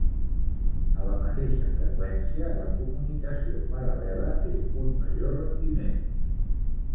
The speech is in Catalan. A la mateixa freqüència, la comunicació paral·lela té un major rendiment.